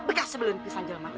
bekas sebelum pisan jelmat